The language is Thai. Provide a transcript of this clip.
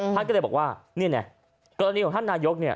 ท่านก็เลยบอกว่านี่ไงกรณีของท่านนายกเนี่ย